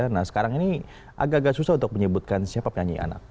nah sekarang ini agak agak susah untuk menyebutkan siapa penyanyi anak